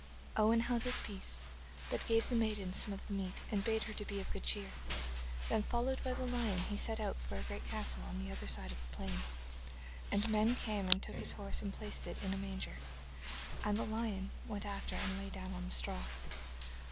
Owen held his peace, but gave the maiden some of the meat, and bade her be of good cheer. Then, followed by the lion, he set out for a great castle on the other side of the plain, and men came and took his horse and placed it in a manger, and the lion went after and lay down on the straw.